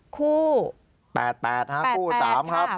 คู่๘๘ค่ะคู่๓ค่ะ